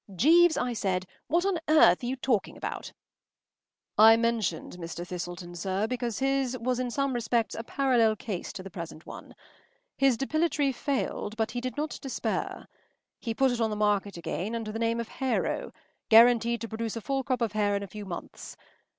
” “Jeeves,” I said, “what on earth are you talking about?” “I mentioned Mr. Thistleton, sir, because his was in some respects a parallel case to the present one. His depilatory failed, but he did not despair. He put it on the market again under the name of Hair o, guaranteed to produce a full crop of hair in a few months.